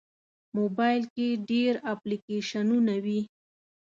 موبایل کې ډېر اپلیکیشنونه وي.